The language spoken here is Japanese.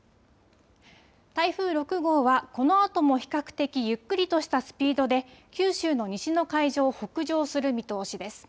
台風６号はこのあとも比較的ゆっくりとしたスピードで九州の西の海上を北上する見通しです。